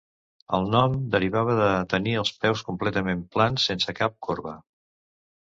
El nom derivava de tenir els peus completament plans, sense cap corba.